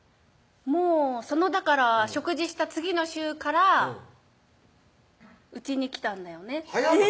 もうだから食事した次の週からうちに来たんだよね早ない？